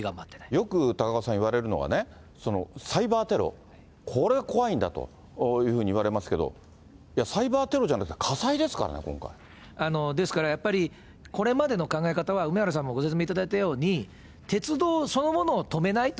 よく高岡さん、言われるのはね、サイバーテロ、これ、怖いんだというふうに言われますけど、いや、サイバーテロじゃなですからやっぱり、これまでの考え方は、梅原さんもご説明いただいたように、鉄道そのものを止めないと。